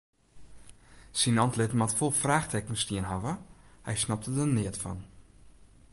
Syn antlit moat fol fraachtekens stien hawwe, hy snapte der neat fan.